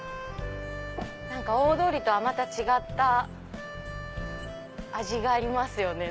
何か大通りとはまた違った味がありますよね。